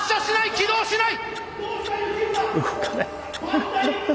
起動しない！